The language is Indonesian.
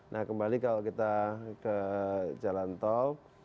nah kembali kalau kita ke jalan tol